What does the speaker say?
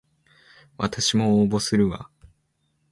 わたしも応募するわ